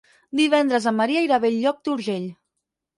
Divendres en Maria irà a Bell-lloc d'Urgell.